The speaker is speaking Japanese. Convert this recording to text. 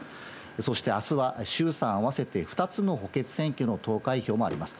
そして、あすは衆参合わせて２つの補欠選挙の投開票もあります。